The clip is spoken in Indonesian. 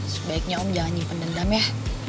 sebaiknya om jangan dendam ya